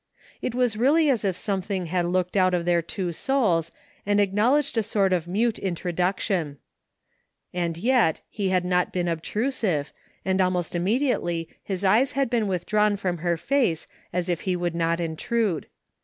It was really as if something had looked out of their two souls and acknowledged a sort of mute introduction. A» J yet he had not been obtrusive, and almost imme diately his eyes had been withdrawn from her face as if he would not intrude.